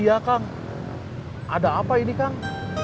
iya kang ada apa ini kang